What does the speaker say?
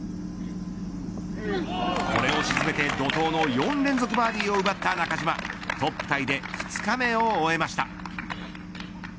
これを沈めて怒とうの４連続バーディーを奪った中島トップタイで２日目を終えました。